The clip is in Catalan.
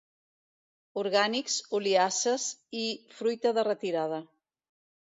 Orgànics, Oliasses i Fruita de retirada.